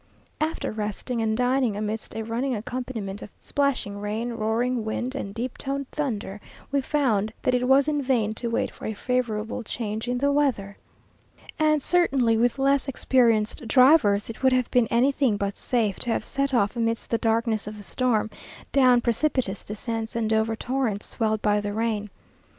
After resting and dining amidst a running accompaniment of plashing rain, roaring wind, and deep toned thunder, we found that it was in vain to wait for a favourable change in the weather; and certainly, with less experienced drivers, it would have been anything but safe to have set off amidst the darkness of the storm, down precipitous descents and over torrents swelled by the rain.